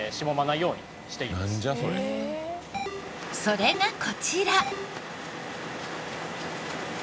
それがこちら。